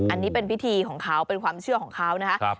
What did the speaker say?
อันนี้เป็นพิธีของเขาเป็นความเชื่อของเขานะครับ